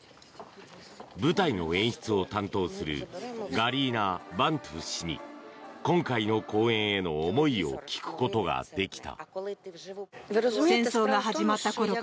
舞台の演出を担当するガリーナ・バントゥフ氏に今回の公演への思いを聞くことができた。